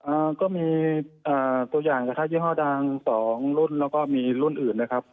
อ่าก็มีตัวอย่างกรรภาพยื่อห้อดาร์ง๒รุ่นแล้วก็มีรุ่นอื่นนะครับ